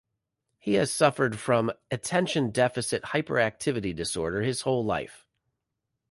He has suffered from Attention Deficit Hyperactivity Disorder his whole life.